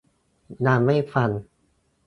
ดันไม่ฟัง